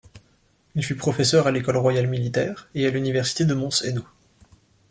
Il fut professeur à l'École royale militaire et à l'Université de Mons-Hainaut.